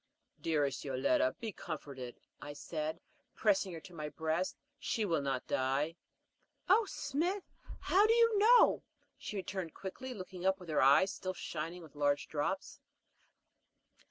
"Dearest Yoletta, be comforted," I said, pressing her to my breast; "she will not die." "Oh, Smith, how do you know?" she returned quickly, looking up with her eyes still shining with large drops.